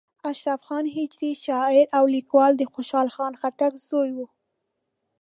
اشرف خان هجري شاعر او لیکوال د خوشحال خان خټک زوی و.